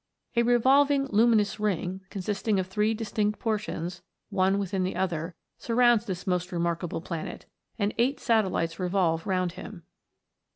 A revolving luminous ring, consisting of three distinct portions, one within the other, sur rounds this most remarkable planet, and eight satellites revolve round him.